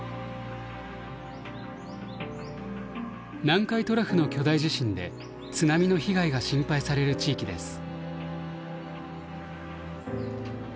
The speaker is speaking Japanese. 南海トラフの巨大地震で津波の被害が心配される地域です。